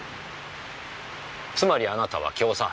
つまりあなたは教唆犯。